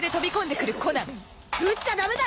撃っちゃダメだ！